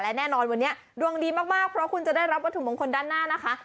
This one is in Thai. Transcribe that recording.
และแน่นอนวันนี้ดวงดีมากเพราะคุณจะได้รับวัตถุมงคลด้านหน้านะคะ